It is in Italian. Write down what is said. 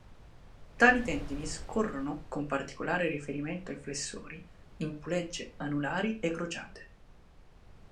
Tali tendini scorrono, con particolare riferimento ai flessori, in pulegge, anulari e crociate.